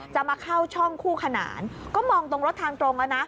จะมาเข้าช่องคู่ขนานก็มองตรงรถทางตรงแล้วนะ